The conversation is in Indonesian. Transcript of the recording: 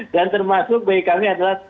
dan termasuk bagi kami adalah